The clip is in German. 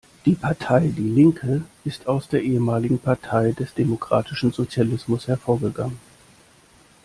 Die Partei die Linke ist aus der ehemaligen Partei des Demokratischen Sozialismus hervorgegangen.